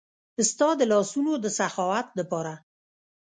ستا د لاسونو د سخاوت د پاره